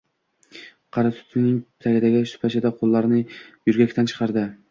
Qari tutning tagidagi supachada qo‘llarini yo‘rgakdan chiqardi.